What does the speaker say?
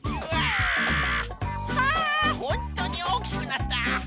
はあほんとにおおきくなった！